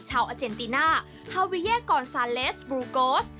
อาเจนติน่าฮาวิเย่กอนซาเลสบลูโกส